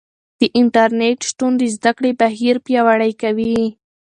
د انټرنیټ شتون د زده کړې بهیر پیاوړی کوي.